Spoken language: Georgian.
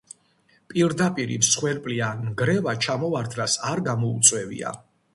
პირდაპირი მსხვერპლი ან ნგრევა ჩამოვარდნას არ გამოუწვევია.